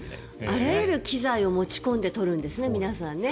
あらゆる機材を持ち込んで撮るんですね、皆さんね。